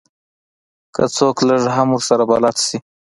که څوک لږ هم ورسره بلد شي.